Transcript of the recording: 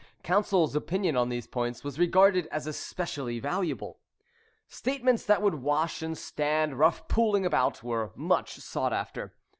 Counsel's opinion on these points was regarded as especially valuable. Statements that would wash and stand rough pulling about were much sought after.